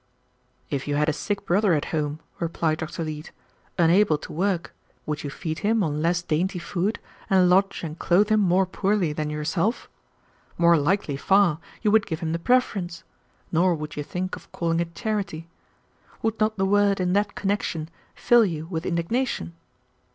"If you had a sick brother at home," replied Dr. Leete, "unable to work, would you feed him on less dainty food, and lodge and clothe him more poorly, than yourself? More likely far, you would give him the preference; nor would you think of calling it charity. Would not the word, in that connection, fill you with indignation?"